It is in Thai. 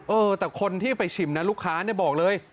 เออแต่คนที่ไปชิมนะลูกค้าเนี่ยบอกเลย